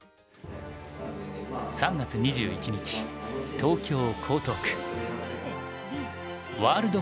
３月２１日東京江東区。